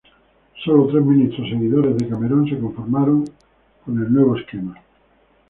Solo tres ministros seguidores de Cameron se conformaron al nuevo esquema.